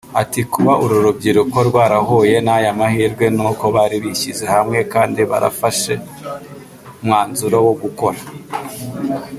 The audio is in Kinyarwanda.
Ati “Kuba uru rubyiruko rwarahuye n’aya mahirwe nuko bari bishyize hamwe kandi barafashe umwanzuro wo gukora